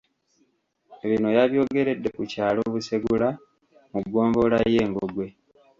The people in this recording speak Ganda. Bino yabyogeredde ku kyalo Busegula mu ggombolola y’e Ngogwe